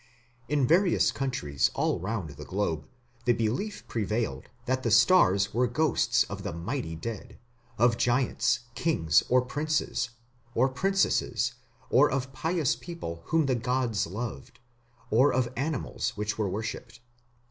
In various countries all round the globe the belief prevailed that the stars were ghosts of the mighty dead of giants, kings, or princes, or princesses, or of pious people whom the gods loved, or of animals which were worshipped.